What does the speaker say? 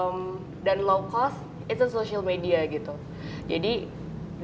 dan aku juga baca beberapa artikel dari luar bahwa kalau instagram itu memang salah satu fan fans yang banyak di instagram itu